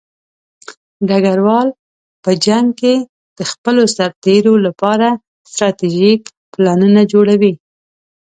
ډګروال په جنګ کې د خپلو سرتېرو لپاره ستراتیژیک پلانونه جوړوي.